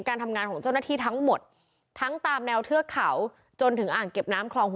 การทำงานของเจ้าหน้าที่ทั้งหมดทั้งตามแนวเทือกเขาจนถึงอ่างเก็บน้ำคลองหัว